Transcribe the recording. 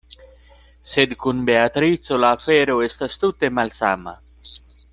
Sed kun Beatrico la afero estas tute malsama.